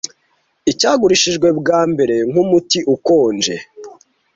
Icyagurishijwe bwa mbere nkumuti ukonje -